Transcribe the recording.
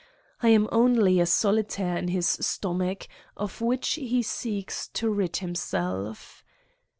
I am only a solitaire in his stomach, of which he seeks to rid himself